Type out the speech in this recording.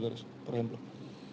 di pertandingan sebelumnya